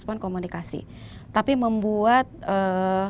kita mengarahkan si anak ini untuk mempunyai kesempatan komunikasi